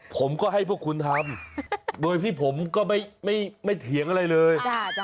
ผมก็ให้พวกคุณทำโดยที่ผมก็ไม่เถียงอะไรเลย